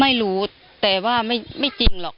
ไม่รู้แต่ว่าไม่จริงหรอก